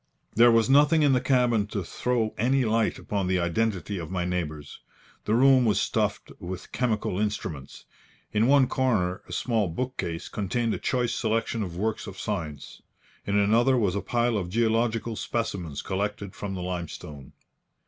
There was nothing in the cabin to throw any light upon the identity of my neighbours. The room was stuffed with chemical instruments. In one corner a small bookcase contained a choice selection of works of science. In another was a pile of geological specimens collected from the limestone.